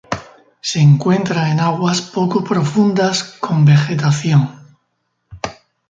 Se encuentra en aguas poco profundas con vegetación.